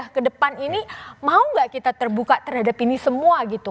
lihat aja ke depan ini mau gak kita terbuka terhadap ini semua gitu